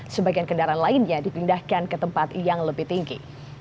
sebagian kendaraan lainnya dipindahkan ke tempat yang lebih tinggi